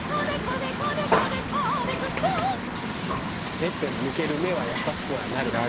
ペットに向ける目は優しくはなるよね